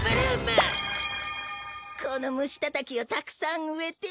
このムシタタキをたくさんうえて。